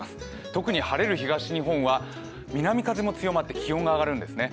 特に晴れる東日本は南風も強まって気温が上がるんですね。